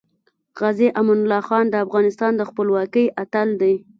غازې امان الله خان د افغانستان د خپلواکۍ اتل دی .